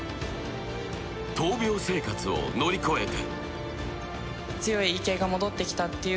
闘病生活を乗り越えて。